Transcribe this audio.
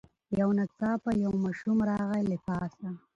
یو ناڅاپه یو ماشوم راغی له پاسه